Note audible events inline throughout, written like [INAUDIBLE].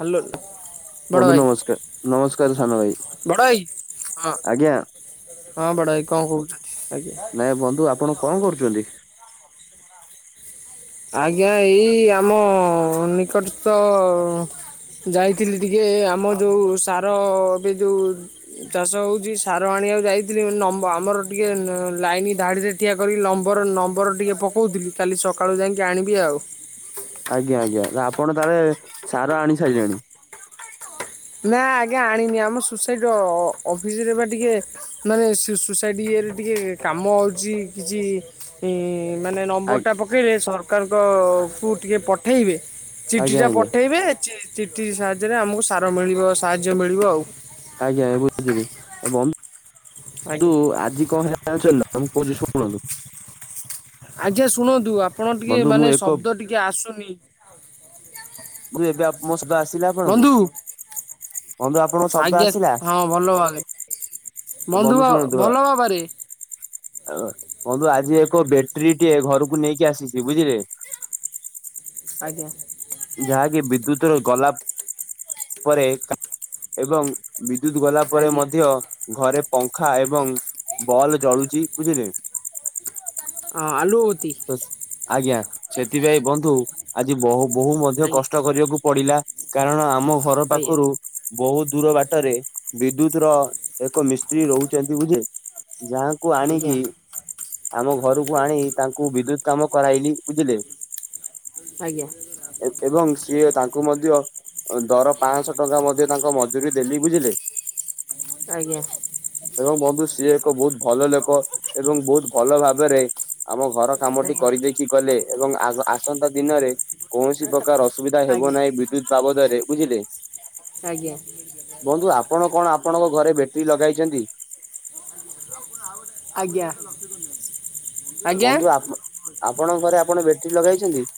Hello ବନ୍ଧୁ ନମସ୍କାର ନମସ୍କାର ସାନ ଭାଇ, ବଡ ଭାଇ ହଁ ଆଜ୍ଞା। ହଁ ବଡ଼ଭାଇ କଣ କହୁଛ, ଆଜ୍ଞା। ନାଇଁ ବନ୍ଧୁ ଆପଣ କଣ କରୁଚନ୍ତି? ଆଜ୍ଞା ଏଇ ଆମ ନିକଟସ୍ତ ଅ ଯାଇଥିଲି ଟିକେ ଆମ ଯୋଉ ସାର ଏବେ ଯୋଉ ଚାଷ ହଉଛି ସାର ଆଣିଆକୁ ଯାଇଥିଲି ନ ମ ଆମର ଟିକେ ନ ଲାଇନ ଧାଡ଼ି ରେ ଠିଆ କରିିକି ନମ୍ବର ନମ୍ବର ଟିକେ ପକଉଥିଲି କାଲି ସକାଳୁ ଯାଇକି ଆଣିବି ଆଉ। ଆଜ୍ଞା ଆଜ୍ଞା ଆଜ୍ଞା ଆପଣ ତାଳେ ସାର ଆଣି ସାଇଲେଣି। ନା ଆଜ୍ଞା ଆଣିନି ଆମ ସୁସାଇଟ୍ ର ଅ ଅ ଅଫିସ୍ ରେ ବା ଟିକେ ମାନେ ସୁ ସୁସାଇଟ ଇଏରେ ଟିକେ କାମ ହଉଛି କିଚି ମାନେ ନମ୍ବର ଆ- ଟା ପକେଇକେ ସରକାରଙ୍କ କୁ ଟିକେ ପଠେଇବେ ଚିଠି ଆଜ୍ଞା ଟା ଆଜ୍ଞା ପଠେଇବେ ଚି ଚିଠି ସାହାଯ୍ୟରେ ଆମକୁ ସାର ମିଳିବ ସାହାଯ୍ୟ ମିଳିବ ଆଉ। ଆଜ୍ଞା ଆଜ୍ଞା ବୁଝିଲି ବ ନ୍ଧୁ ଆଜ୍ଞା ଆଜି କଣ ହେଲା ଜାଣିଛନ୍ତି ନା ମୂଁ କହୁଛି ଶୁଣନ୍ତୁ ଆଜ୍ଞା ଶୁଣନ୍ତୁ ଆପଣ ଟିକେ ବନ୍ଧୁ ମୁଁ ମାନେ ଏକ ଶବ୍ଦ ଟିକେ ଆସୁନି ମୁ ଏବେ ଆପ ମୋ ଶବ୍ଦ ଆସିଲା ଆପଣଙ୍କୁ? ବନ୍ଧୁ ବନ୍ଧୁ ଆପଣଙ୍କ ଶବ୍ଦ ଆଜ୍ଞା ଆସିଲା ହଁ ଭଲ ବାଗେରେ ବନ୍ଧୁ ବ ଭଲ ଭାବରେ। ଅ ବନ୍ଧୁ ଆଜି ଏକ ବେଟ୍ରି ଟିଏ ଘରକୁ ନେଇକି ଆସିଛି ବୁଝିଲେ ଆଜ୍ଞା। ଯାହାକି ବିଦ୍ୟୁତ ର ଗଲା ପରେ ଏବଂ ବିଦ୍ୟୁତ ଗଲା ପରେ ଆଜ୍ଞା ମଧ୍ୟ ଘରେ ପଙ୍ଖା ଏବଂ ବଲ୍ ଜଳୁଛି ବୁଝିଲେ। ହଁ ଆଲୁଅବତି। ଆଜ୍ଞା ସେଥିପାଇଁ ବନ୍ଧୁ ଆଜି ବହ ବୋହୁ ମଧ୍ୟ ଆଜ୍ଞା କଷ୍ଟ କରିବାକୁ ପଡ଼ିଲା। କାରଣ ଆମ ଘର ଆଜ୍ଞା ପାଖରୁ ବହୁତ ଦୂର ବାଟରେ ବିଦ୍ୟୁତ ର ଏକ ମିସ୍ତ୍ରୀ ରହୁଛନ୍ତି ବୁଝିଲେ ଯାହାକୁ ଆଜ୍ଞା ଆଣିକି ଆମ ଘରକୁ ଆଣି ତାଙ୍କୁ ବିଦ୍ୟୁତ କାମ କରାଇଲି ବୁଝିଲେ ଆଜ୍ଞା। ଏବଂ ସିଏ ତାଙ୍କୁ ମଧ୍ୟ ଦର ପାଞ୍ଚଶହ ଟଙ୍କା ମଧ୍ୟ ତାଙ୍କ ମଜୁରୀ ଦେଲି ବୁଝିଲେ ଆଜ୍ଞା। ଏବଂ ବନ୍ଧୁ ସିଏ ଏକ ବହୁତ ଭଲ ଲୋକ ଏବଂ ବହୁତ ଭଲ ଭାବରେ ଆମ ଘର ଆଜ୍ଞା। କାମଟି କରିଦେଇଖି ଗଲେ ଏବଂ ଆସନ୍ତା ଦିନରେ କୌଣସି ପ୍ର ଅସୁବିଧା ହେବ ଆଜ୍ଞା। ନାହିଁ ବିଦ୍ୟୁତ ବାବଦରେ ବୁଝିଲେ ଆଜ୍ଞା। ବନ୍ଧୁ ଆପଣ କଣ ଆପଣଙ୍କ ଘରେ ବ୍ୟାଟେରୀ ଲଗାଇଛନ୍ତି? ଆଜ୍ଞା। ଆଜ୍ଞା ବନ୍ଧୁ ଆପ ଆପଣଙ୍କ ଘରେ ଆପଣ ବ୍ୟାଟେରୀ ଲଗେଇଛନ୍ତି?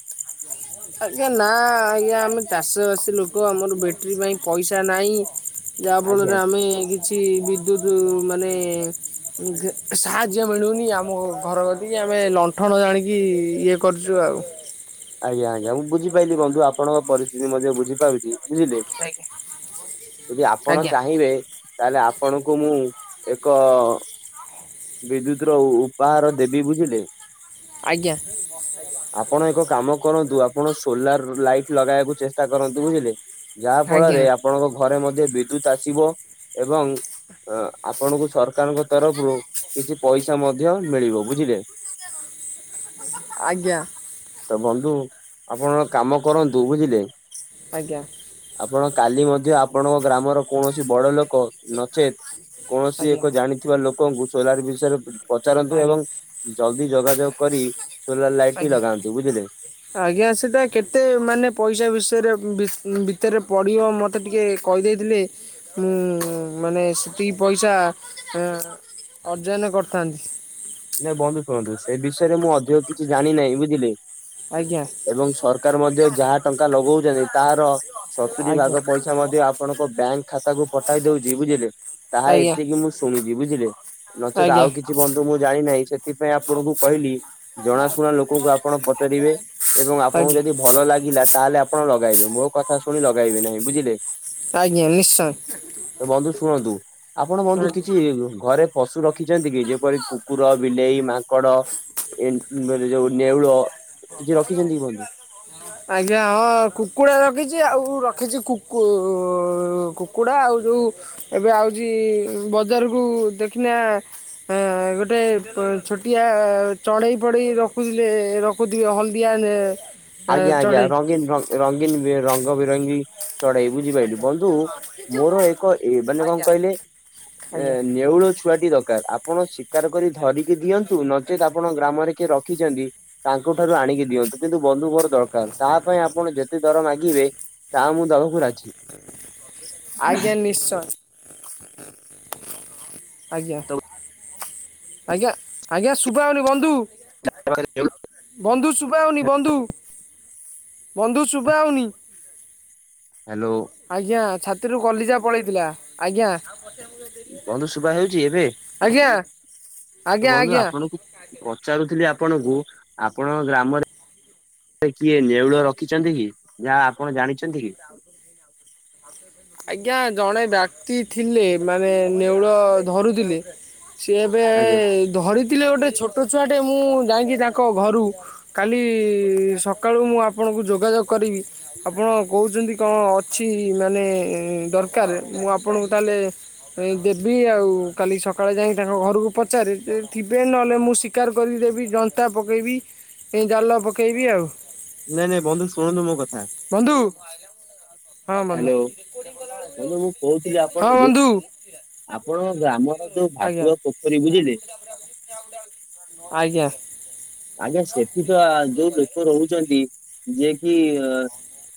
ଆଜ୍ଞା ନା ଆଜ୍ଞା ଆମେ ଚାଷବାସୀ ଲୋକ ଆମର ବ୍ୟାଟେରୀ ପାଇଁ ପଇସା ନାହିଁ ଯାହା ଆଜ୍ଞା। ଫଳରେ ଆମେ କିଛି ବିଦ୍ୟୁତ ମାନେ ସାହାଯ୍ୟ ମିଳୁନି ଆମ ଘର ଟିକି ଆମେ ଲଣ୍ଠନ ଜାଣିକି ଇଏ କରୁଛୁ ଆଉ ଆଜ୍ଞା ଆଜ୍ଞା ମୁଁ ବୁଝି ପାରିଲି ବନ୍ଧୁ ଆପଣଙ୍କ ପରିଥିତି ମଧ୍ୟ ବୁଝିପାରୁଚଛି ବୁଝିଲେ ଯଦି ଆପଣ ଆଜ୍ଞା ଚାହିଁବେ ତାହେଲେ ଆପଣଙ୍କୁ ମୁଁ ଏକ ବିଦ୍ୟୁତ ର ଉପହାର ଦେବି ବୁଝିଲେ ଆଜ୍ଞା। ଆପଣ ଏକ କାମ କରନ୍ତୁ ଆପଣ ସୋଲାର ଲାଇଟ ଲଗେଇବାକୁ ଚେଷ୍ଟା କରନ୍ତୁ ବୁଝିଲେ ଯାହା ଆଜ୍ଞା ଫଳରେ ଆପଣଙ୍କ ଘରେ ମଧ୍ୟ ବିଦ୍ୟୁତ ଆସିବ ଏବଂ ଅଁ ଆପଣଙ୍କୁ ସରକାରଙ୍କ ତରଫରୁ କିଛି ପଇସା ମଧ୍ୟ ମିଳିବ ବୁଝିଲେ ଆଜ୍ଞା। ତ ବନ୍ଧୁ ଆପଣ କାମ କରନ୍ତୁ ବୁଝିଲେ ଆଜ୍ଞା। ଆପଣ କାଲି ମଧ୍ୟ ଆପଣଙ୍କ ଗ୍ରାମର କୌଣସି ବଡ ଲୋକ ନଚେତ୍ କୌଣସି ଆଜ୍ଞା ଏକ ଜାଣିଥିବା ଲୋକଙ୍କୁ ସୋଲାର ବିଷୟରେ ପଚାରନ୍ତୁ ଆଜ୍ଞା। ଏବଂ ଜଲଦି ଯୋଗାଯୋଗ କରି ସୋଲାର ଲାଇଟଟି ଆଜ୍ଞା ଲଗାନ୍ତୁ ବୁଝିଲେ ଆଜ୍ଞା ସେଟା କେତେ ମାନେ ପଇସା ବିଷୟରେ ଭିତରେ ପଡିବ ମତେ ମତେ ଟିକେ କହିଦେଇଥିଲେ ମୁଁ ମାନେ ସେତିକି ପଇସା ଅର୍ଜନ କରିଥାନ୍ତି ନାଇଁ ବନ୍ଧୁ ଶୁଣନ୍ତୁ ସେ ବିଷୟରେ ମୁଁ ଅଧିକ କିଛି ଜାଣିିନାହିଁ ବୁଝିଲେ ଆଜ୍ଞା। ଏବଂ ସରକାର ମଧ୍ୟ ଯାହା ଟଙ୍କା ଲଗଉଛନ୍ତି ତାହାର ସତୁରି ଆଜ୍ଞା ଭାଗ ପଇସା ମଧ୍ୟ ଆପଣଙ୍କ ବ୍ୟାଙ୍କ ଖାତାକୁ ପଠେଇ ଦଉଛି ବୁଝିଲେ ତାହା ଆଜ୍ଞା ଏତିକି ମୁଁ ଶୁଣିଛି ବୁଝିଲେ ନଚେତ ଆଜ୍ଞା ଆଉ କିଛି ବନ୍ଧୁ ମୁଁ ଜାଣିନାହିଁ ସେଥିପାଇଁ ଆପଣଙ୍କୁ କହିଲି ଜଣାଶୁଣା ଲୋକଙ୍କୁ ଆପଣ ପଚାରିବେ ଏବଂ ଆପଣଙ୍କୁ ଆଜ୍ଞା ଯଦି ଭଲ ଲାଗିଲା ତାହେଲେ ଆପଣ ଲଗାଇବେ ମୋ କଥା ଶୁଣି ଲଗାଇବେ ନାହିଁ ବୁଝିଲେ ଆଜ୍ଞା ନିଶ୍ଚୟ। ତ ବନ୍ଧୁ ଶୁଣନ୍ତୁ ଆପଣ ବନ୍ଧୁ ଆଜ୍ଞା କିଛି ଘରେ ପଶୁ ରଖିଛନ୍ତି କି ଯେପରି କୁକୁର ବିଲେଇ ମାଙ୍କଡ ଏ ଯୋଉ ନେଉଳ କିଛି ବ ରଖିଛନ୍ତି କି ବନ୍ଧୁ? [UNINTELLIGIBLE] ଆଜ୍ଞା ହଁ କୁକୁଡ଼ା ରଖିଛି ଆଉ ରଖିଛି କୁକୁ କୁକୁଡ଼ା ଆଉ ଯେଉଁ ଏବେ ଆଉଛି ବଜାରକୁ ଦେଖିନା ଅ ଗୋଟେ ଛୋଟିଆ ଚଡେଇ ଫଡେଇ ରଖୁଥିଲେ ର କଉ ଦିଅ ହଳଦିଆ ହେଲେ। ଆଜ୍ଞା ଆଜ୍ଞା ରଙ୍ଗୀନ [UNINTELLIGIBLE] ରଙ୍ଗୀନ ଏ ରଙ୍ଗ ବିରଙ୍ଗୀ। ଚଢେଇ ବୁଝିପାଇଲୁ ଆଜ୍ଞା ବନ୍ଧୁ ମୋର ଏକ ଏ ମାନେ କଁ ଆଜ୍ଞା କହିଲେ ଆଜ୍ଞା ଏଁ ନେଉଳ ଛୁଆଟି ଦରକାର ଆପଣ ଶିକାର କରି ଧରିକି ଦିଅନ୍ତୁ ନଚେତ୍ ଆପଣ ଗ୍ରାମରେ କିଏ ରଖିଚନ୍ତି। ତାଙ୍କଠାରୁ ଆଣିକି ଦିଅନ୍ତୁ କିନ୍ତୁ ବନ୍ଧୁ ମର ଦରକାର ତାହା ପାଇଁ ଆପଣ ଯେତେ ଦର ମାଗିବେ। ତା ମୁଁ ଦବାକୁ ରାଜି। ଆଜ୍ଞା ନିଶ୍ଚୟ। ଆଜ୍ଞା ଆଜ୍ଞା ଆଜ୍ଞା ଶୁଦ୍ଭାହଉନି ବନ୍ଧୁ। [INAUDIBLE] ବନ୍ଧୁ ଶୁଦ୍ଭା ହଉନି ବନ୍ଧୁ ବନ୍ଧୁ ଶୁଦ୍ଭା ହଉନି। ହାଲୋ। ଆଜ୍ଞା ଛାତିରୁୁ କଲିଜା ପଳେଇଥିଲା ଆଜ୍ଞା। ବନ୍ଧୁ ଶୁଦ୍ଭା ଯାଉଚି ଏବେ ଆଜ୍ଞା ଆଜ୍ଞା ବନ୍ଧୁ ଆଜ୍ଞା ଆପଣଙ୍କୁ। ପଚାରୁଥିଲି ଆପଣଙ୍କୁ ଆପଣ ଗ୍ରାମରେ ଏ କିଏ ନେଉଳ ରଖିଛନ୍ତି କି ଯାହା ଆପଣ ଜାଣିଛନ୍ତି କି? ଆଉ ଆଉ। ଆଜ୍ଞା ଜଣେ ବ୍ୟାକ୍ତି ଥିଲେ ମାନେ ନେଉଳ ଧରୁଥିଲେ। ସେ ଏବେ ଆଜ୍ଞା ଧରିଥିଲେ ଗୋଟେ ଛୋଟ ଛୁଆଟେ ମୁଁ ଯାଇକି ତାଙ୍କ ଘରୁ କାଲି ସକାଳୁ ମୁଁ ଆପଣଙ୍କୁ ଯୋଗାଯୋଗ କରିବି ଆପଣ କହୁଛନ୍ତି କଣ ଅଛି ମାନେ ଦରକାର ମୁଁ ଆପଣଙ୍କୁ ତାହେଲେ। ଏ ଦେବି ଆଉ କାଲି ସକାଳେ ଯାଇଁ ତାଙ୍କ ଘରକୁ ପଚାରେ ଥିବେ ନହେଲେ ମୁଁ ଶିଖ୍ ଶିକାର କରିକି ଦେବି ଜନ୍ତା ପକେଇବି ଏ ଜାଲ ପକେଇବି ଆଉ। ନାଇଁ ନାଇଁ ବନ୍ଧୁ ଶୁଣନ୍ତୁ ମୋ କଥା। ବନ୍ଧୁ। ହଁ ବନ୍ଧୁ ହାଲୋ ବନ୍ଧୁ ମୁଁ କହୁଥିଲି ହଁ ଆପଣଙ୍କୁ। ବନ୍ଧୁ ଆପଣ ଗ୍ରାମର ଯୋଉ ଆଜ୍ଞା ଭାତୁଆ ପୋଖରୀ ବୁଝିଲେ। ଆଜ୍ଞା। ଆଜ୍ଞା ସେଠି ତ ଯୋଉ ଲୋକ ରହୁଚନ୍ତି। ଯେ କିି ଅ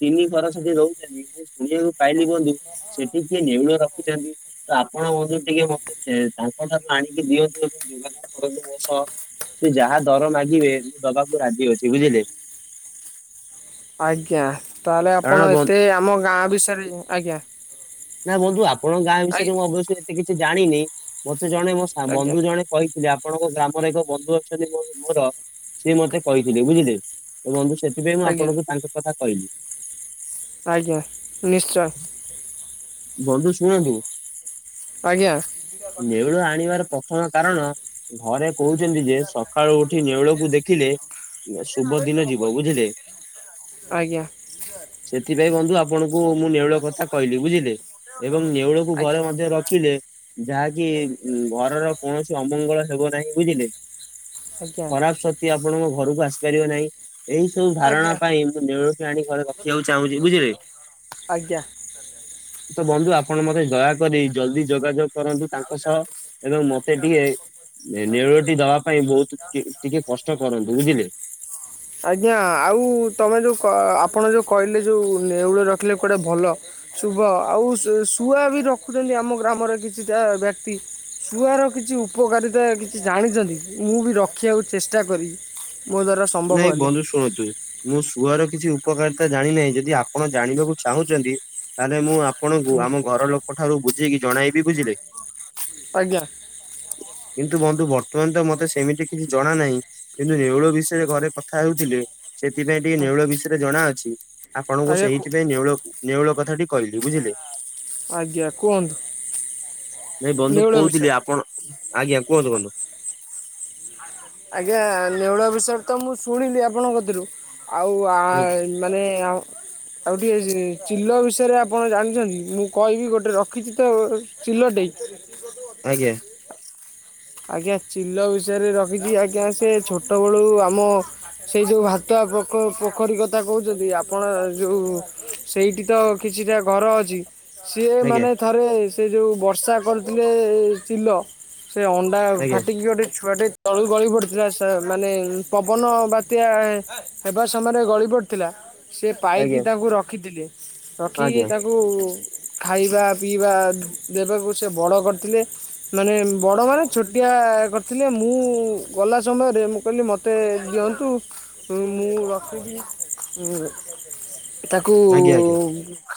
ତିନି ବରଷକେ ରହୁଛନ୍ତି ମୁଁ ଶୁଣିବାକୁ ପାଇଲି ବନ୍ଧୁ ସେଟି କିଏ ନେଉଳ ର ରଖିଛନ୍ତି ତ ଆପଣ ବନ୍ଧୁ ଟିକେ ମତେ ସେ ତାଙ୍କ ଠାରୁ ଆଣିକି ଦିଅନ୍ତୁ। [UNINTELLIGIBLE] ସେ ଯାହା ଦର ମାଗିବେ ଦବାକୁ ରାଜି ଅଛି ବୁଝିଲେ। ଆଜ୍ଞା ତାହେଲେ କାରଣ ଆପଣ ବନ୍ଧୁ ଏତେ ଆମ ଗାଁ ବିଷୟରେ ଆଜ୍ଞା। ନା ବନ୍ଧୁ ଆପଣଙ୍କ ଗାଁ ବିଷୟରେ ମୁଁ ଆଜ୍ଞା ଅବଶ୍ୟ ଏତେ କିଛି ଜାଣିନି ମତେ ଜଣେ ମୋ ସା ଆଜ୍ଞା ବନ୍ଧୁ ଜଣେ। କହିଥିଲେ ଆପଣଙ୍କ ଗ୍ରାମରେ ଏକ ବନ୍ଧୁ ଅଛନ୍ତି ମୋ ମୋର ସିଏ ମତେ କହିଥିଲେ ବୁଝିଲେ। ତ ବନ୍ଧୁ ସେଥିପାଇଁ ମୁଁ ଆଜ୍ଞା ଆପଣଙ୍କୁ ତାଙ୍କ କଥା କହିଲି। ଆଜ୍ଞା ନିଶ୍ଚୟ। ବନ୍ଧୁ ଶୁଣନ୍ତୁ। ଆଜ୍ଞା। ନେଉଳ ଆଣିବାର ପ୍ରଥମ କାରଣ ଘରେ କହୁଛନ୍ତି ଯେ ସ ଖାଳୁ ଉଠି ନେଉଳକୁ ଦେଖିଲେ। ଶୁବ ଦିନ ଯିବ ବୁଝିଲେ। ଆଜ୍ଞା ସେଥିପାଇଁ ବନ୍ଧୁ ଆପଣଙ୍କୁ ମୁଁ ନେଉଳ କଥା କହିଲି ବୁଝିଲେ। ଏବଂ ନେଉଳକୁ ଘରେ ଆଜ୍ଞା ମଧ୍ୟ ରଖିଲେ ଯାହାକି ଘରର କୌଣସି ଅମଙ୍ଗଳ ହେବ ନାହିଁ ବୁଝିଲେ। ଆଜ୍ଞା ଖରାପ ସ କ୍ତି ଆପଣଙ୍କ ଘରକୁ ଆସିପାରିବେ ନାହିଁ। ଏଇ ସବୁ ଧାରଣା ଆଜ୍ଞା ପାଇଁ ମୁଁ ନେଉଳଟେ ଆଣି ଘରେ ରଖିବାକୁ ଚାହୁଁଛି ବୁଝିଲେ। ଆଜ୍ଞା। ତ ବନ୍ଧୁ ଆପଣ ମତେ ଦୟାକରି ଜଲ୍ଦୀ ଯୋଗାଯୋଗ କରନ୍ତୁ ତାଙ୍କ ସହ ଏବଂ ମତେ ଟିକେ ନେଉ ନେଉଳଟି ଦବା ପାଇଁ ବହୁତ [UNINTELLIGIBLE] ଟିକେ କଷ୍ଟ କରନ୍ତୁ ବୁଝିଲେ। ହଁ [UNINTELLIGIBLE] ଆଜ୍ଞା ଆଉ ତମେ ଯେଉଁ କ ଆପଣ ଯେଉଁ କହିଲେ ଯେଉଁ ନେଉଳ ରଖିଲେ କୁଆଡେ ଭଲ। ଶୁଭ ଆଉ ଶୁ ଶୁଆ ବି ରଖୁଛନ୍ତି ଆମ ଗ୍ରାମରେ କିଛିଟା ବ୍ୟକ୍ତି। ଶୁଆର କିଛି ଉପକାରିତା କିଛି ଜାଣିଛନ୍ତି ମୁଁ ବି ରଖିବାକୁ ଚେଷ୍ଟା କରିବି। ମୋ ଦ୍ୱାରା ସମ୍ଭବ ନାଇଁ ହେଲେ ବନ୍ଧୁ ଶୁଣନ୍ତୁ ମୁଁ ଶୁଆର କିଛି ଉପକାରିତା ଜାଣିନାହିଁ। ଯଦି ଆପଣ ଜାଣିବାକୁ ଚାହୁଁଛନ୍ତି ତାହେଲେ ମୁଁ ଆପଣଙ୍କୁ ଆମ ଘର ଲୋକ ଠାରୁ ବୁଝେଇକି ଜଣାଇବି ବୁଝିଲେ। ଆଜ୍ଞା। କିନ୍ତୁ ବନ୍ଧୁ ବର୍ତ୍ତମାନ ତ ମତେ ସେମିତି କିଛି ଜଣା ନାହିଁ। କିନ୍ତୁ ନେଉଳ ବିଷୟ ବେଳେ ଘରେ କଥା ହେଉଥିଲେ ସେଥିପାଇଁ ଟିକେ ଆଜ୍ଞା ନେଉଳ ବିଷୟରେ ଜଣାଅଛି। ଆପଣଙ୍କୁ ଆଜ୍ଞା କୁ- ସେଇଥିପାଇଁ ନେଉଳ ନେଉଳ କଥା ଟି କହିଲି ବୁଝିଲେ। ଆଜ୍ଞା କୁହନ୍ତୁ ନାଇଁ ବନ୍ଧୁ ନେଉଳ ବିଷୟରେ କହୁଥିଲି ଆପଣ ଆଜ୍ଞା କୁହନ୍ତୁ କୁହନ୍ତୁ। ଆଜ୍ଞା ନେଉଳ ବିଷୟରେ ତ ମୁଁ ଶୁଣିଲି ଆପଣଙ୍କ କତିରୁ। ଆଉ ଆ ମାନେ ଆ ଆଉ ଟିକେ ଚି ଚିଲ ବିଷୟରେ ଆପଣ ଜାଣିଛନ୍ତି ମୁଁ କହିବି ଗୋଟେ ରଖିଛି ତ। ଚିଲଟେ। ଆଜ୍ଞା। ଆଜ୍ଞା ଚିଲ ବିଷୟରେ ରଖିଛି ଆଜ୍ଞା ସେ ଛୋଟ ବେଳୁ ଆମ ସେଇ ଯୋଉ ଭାତୁଆ ପୋଖ ପୋଖରୀ କଥା କହୁଛନ୍ତି ଆପଣ ଯୋଉ ସେଇଠି ତ କିଛିଟା ଘର ଅଛି। ସିଏ ଆଜ୍ଞା ମାନେ ଥରେ ସେ ଯେଉଁ ବର୍ଷା କରିଥିଲେ ଚିଲ। ସେ ଅଣ୍ଡା ଆଜ୍ଞା ଫାଟିିକି ଗୋଟେ ଛୁଆଟେ ତଳୁକୁ ଗଳି ପଡିଥିଲା ସେ ମାନେ ପବନ ବାତ୍ୟା ହେବା ସମୟରେ ଗଳି ପଡ଼ିଥିଲା। ସେ ପାଇକି ଆଜ୍ଞା ତାକୁ ରଖିଥିଲେ। ଆଜ୍ଞା ରଖିକି ତାକୁ ଖାଇବା ପିଇବା ଦେବାକୁ ସେ ବଡ଼ କରିଥିଲେ ମାନେ ବଡ଼ମାନେ ଛୋଟିଆ କରିଥିଲେ ମୁଁ ଗଲା ସମୟରେ ମୁଁ କହିଲି ମୋତେ ଦିଅନ୍ତୁ ମୁଁ ରଖିବି ତାକୁ ଆଜ୍ଞା ଆଜ୍ଞା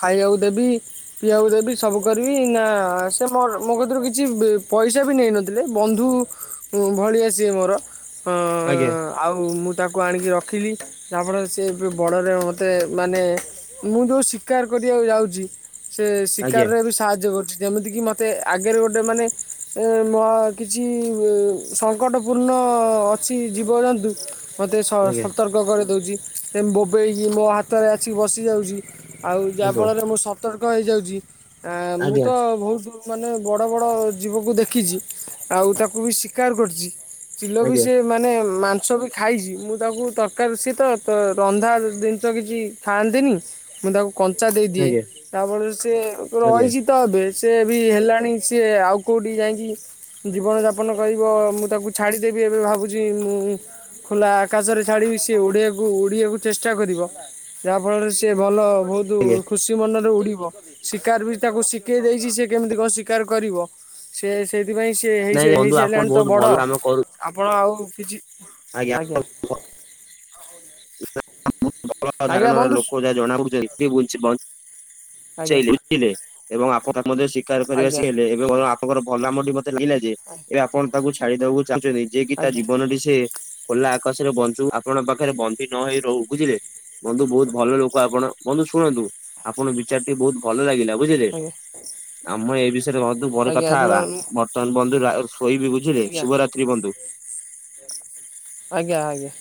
ଖାଇବାକୁ ଦେବି। ପିଇବାକୁ ଦେବି ସବୁ କରିବି ନା ସେ ମୋ ମୋ କତିରୁ କିଛି ବି ପଇସ ସା ବି ନେଇନଥିଲେ ବନ୍ଧୁ ଭଳିଆ ସିଏ ମୋର। ଆଜ୍ଞା ଆଉ ମୁଁ ତାକୁ ଆଣିକି ରଖିଲି। ଯାହାଫଳରେ ସେ ବଡ଼ରେ ମତେ ମାନେ ମୁଁ ଯୋଉ ଶିକାର କରିବାକୁ ଯାଉଛି। ସେ ଆଜ୍ଞା ଶିକାରରେ ବି ସାହାଯ୍ୟ କରୁଛି। ଯେମିତି କିି ମତେ ଆଗରେ ଗୋଟେ ମାନେ ଏ ମ କିଛି ସଙ୍କଟପୂର୍ଣ୍ଣ ଅଛି ଜୀବଜନ୍ତୁ ମୋତେ ସ ଆଜ୍ଞା ସତର୍କ କରିଦେଉଛି। ସେ ବୋବେଇକି ମୋ ହାତରେ ଆସିକି ବସିଯାଉଛି। ଆଉ ହ୍ୟାଲୋ ଯାହାଫଳରେ ମୁଁ ସତର୍କ ହେଇଯାଉଚି ଏଁ-ମୁଁ ତ ଆଜ୍ଞା ବହୁତୁ ମାନେ ବଡ଼ ବଡ଼ ଜୀବକୁ ଦେଖିଚି ଆଉ ତାକୁ ବି ଶିକାର କରିଚି। ଚିଲ ବି ସେ ମାନେ ମାଂସ ବି ଖାଇଚି ମୁଁ ତାକୁ ତରକାରୀ ସେ ତ- ତ ରନ୍ଧା ଜିନିଷ କିଛି ଖାଆନ୍ତିନି ମୁଁ ତାକୁ କଞ୍ଚା ଆଜ୍ଞା ଦେଇଦିଏ ତାଫଳରେ ସେ ଆଜ୍ଞା ଆଜ୍ଞା ରହିଚି ତ ଏବେ ସେ ବି ହେଲାଣି ସିଏ ଆଉ କଉଠି ଯାଇକି ଜୀବନଯାପନ କରିବ ମୁଁ ତାକୁ ଛାଡ଼ିଦେବି ଏବେ ଭାବୁଚି ମୁଁ। ଖୋଲା ଆକାଶରେ ଛାଡିବି ସିଏ ଉଡିଆକୁ- ଉଡିଆକୁ ଚେଷ୍ଟା କରିବ। ଯାହା ଫଳରେ ସିଏ ଭଲ ବହୁତ୍ କିନ୍ତୁ ଆଜ୍ଞା ଖୁସି ମନରେ ଉଡିବ ଶିକାର ବି ତାକୁ ଶିକେଇ ଦେଇଚି ସେ କେମିତି କଣ ଶିକାର କରିବ। ସେ- ସେଇଥିପାଇଁ ସିଏ ନାଇଁ ହେଇଚି- ବନ୍ଧୁ ଆପଣ ହେଇସାରିଲାଣି ତ ବହୁତ ବଡ। ଭଲ କାମ କରୁ ଆପଣ ଆଉ କିଛି -ଆଜ୍ଞା। [UNINTELLIGIBLE] ଆଜ୍ଞା ଧାରଣ ର ବନ୍ଧୁ ଲୋକ ଯାହା ଜଣା ପଡୁଚନ୍ତି [UNINTELLIGIBLE] ଆଜ୍ଞା ଲୁଚେଇଲେ ଲୁଚିଲେ ଏବଂ ଆପଣ ମଧ୍ୟ ଶୀକାର କରିବା ଆଜ୍ଞା ଶିକେଇଲେ ଏବେ ମତେ ଆପଣଙ୍କର [UNINTELLIGIBLE] ମତେ ଲାଗିଲା ଯେ ଏବେ ଆପଣ ତାକୁ ଛାଡିଦବାକୁ ଚାହୁଁଚନ୍ତି ଯେ କି ତା ଆଜ୍ଞା ଜୀବନ ଟି ସିଏ ଖୋଲା ଆକାଶରେ ବଞ୍ଚୁ ଆପଣଙ୍କ ପାଖରେ ବନ୍ଦି ନ ହେଇ ରହୁ ବୁଝିଲେ। ବନ୍ଧୁ ବହୁତ ଭଲ ଲୋକ ଆପଣ ବନ୍ଧୁ ଶୁଣନ୍ତୁ ଆପଣଙ୍କ ବିଚାରଟି ବହୁତ୍ ଭଲ ଲାଗିଲା ବୁଝିଲେ। ଆଜ୍ଞା। ଆମ ଏଇ ବିଷୟରେ ବନ୍ଧୁ ପରେ ଆଜ୍ଞା କଥା ରୁହ ହବା ଆଜ୍ଞା ବର୍ତ୍ତମାନ ବନ୍ଧୁ ରା- ଶୋଇବି ବୁଝିଲେ ଶୁଭରାତ୍ରି ବନ୍ଧୁ। ଆଜ୍ଞା- ଆଜ୍ଞା।